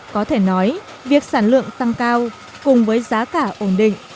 có thể nói việc sản lượng tăng cao cùng với giá cả ổn định